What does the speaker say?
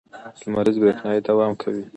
لمریزه برېښنا دوام کوي.